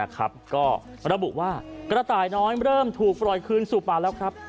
ก็ระบุว่ากระต่ายน้อยเริ่มถูกปล่อยคืนสู่ป่าแล้วครับ